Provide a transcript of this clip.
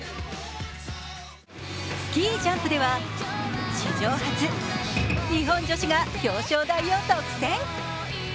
スキージャンプでは史上初、日本女子が表彰台を独占。